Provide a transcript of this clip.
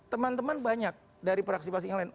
teman teman banyak dari praksis praksis yang lain